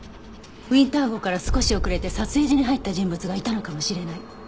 ウィンター号から少し遅れて撮影所に入った人物がいたのかもしれない。